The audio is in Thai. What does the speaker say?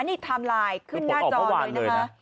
นี่ไทม์ไลน์ขึ้นหน้าจอเลยนะคะ